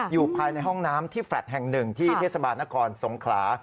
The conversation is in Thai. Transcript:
อยู่ภายในห้องน้ำที่แฟลต์แห่งหนึ่งที่เทศบาลนครสงขลา